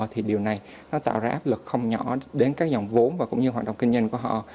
thì điều này nó tạo ra áp lực không nhỏ đến các dòng vốn và cũng như hoạt động kinh doanh của họ